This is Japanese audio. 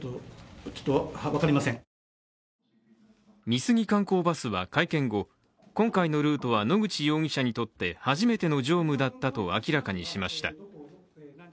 美杉観光バスは会見後、今回のルートは野口容疑者にとって、初めての乗務だったと明らかにしました。